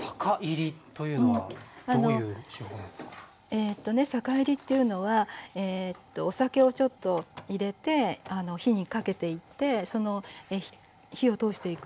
えとね酒いりっていうのはお酒をちょっと入れて火にかけていってその火を通していくやり方なんですね。